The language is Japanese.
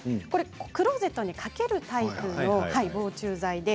クローゼットに掛けるタイプの防虫剤です。